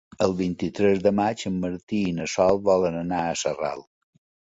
El vint-i-tres de maig en Martí i na Sol volen anar a Sarral.